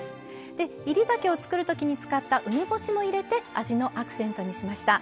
煎り酒を作る時に使った梅干しも入れて味のアクセントにしました。